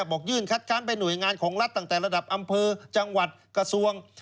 บอกยื่นคัดค้านไปหน่วยงานของรัฐตั้งแต่ระดับอำเภอจังหวัดกระทรวง